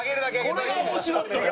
これが面白いのよ。